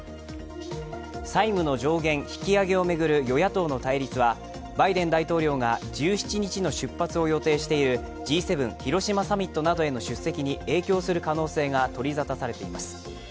債務の上限引き上げを巡る与野党の対立はバイデン大統領が１７日の出発を予定しているＧ７広島サミットなどへの出席に影響する可能性が取りざたされています。